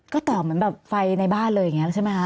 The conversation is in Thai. ก็ตอบเหมือนแบบไฟในบ้านเลยอย่างนี้ใช่ไหมคะ